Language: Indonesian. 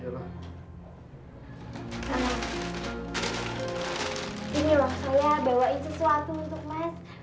ini loh saya bawain sesuatu untuk mas